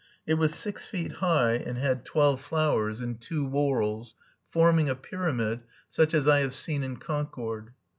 It was six feet high, and had twelve flowers, in two whorls, forming a pyramid, such as I have seen in Concord.